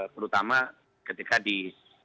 terutama ketika dikaitkan dengan undang undang